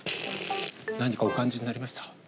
何かお感じになりました？